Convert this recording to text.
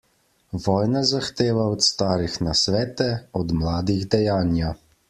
Vojna zahteva od starih nasvete, od mladih dejanja.